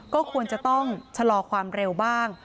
ก็ควรจะต้องชะลอความเร็วบ้าง